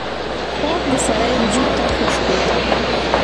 خوب د سړي وجود ته خوشبو ده